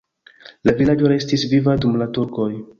La vilaĝo restis viva dum la turkoj.